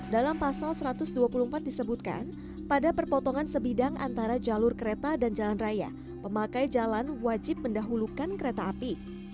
dalam pasal satu ratus dua puluh empat disebutkan pada perpotongan sebidang antara jalur kereta dan jalan raya pemakai jalan wajib mendahulukan kereta api